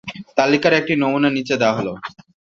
তালিকার একটি নমুনা নিচে দেয়া হল।